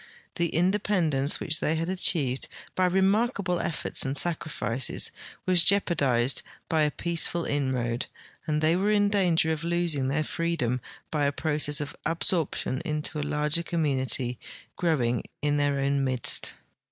The independence which they had achieved by remarkable efforts and sacrifices was jeopardized b}^ a peaceful inroad, and they were in danger of losing their free dom by a process of absorption into a larger community growing in their own midst.